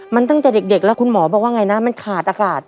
มันตั้งแต่เด็กแล้วคุณหมอบอกว่าไงนะมันขาดอากาศ